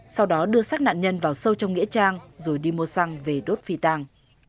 sau đó đưa sát nạn nhân vào sâu trong nghĩa trang rồi đi mua xăng về đốt phi tàng